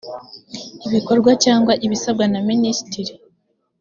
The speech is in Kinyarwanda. ibikorwa cyangwa ibisabwa na minisitiri